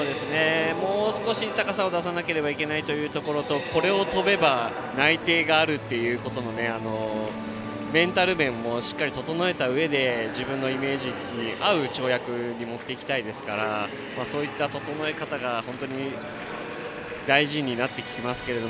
もう少し高さを出さなければいけないというところとこれを跳べば内定があるということのメンタル面もしっかり整えたうえで自分のイメージに合う跳躍に持っていきたいですからそういった整え方が本当に大事になってきますけど。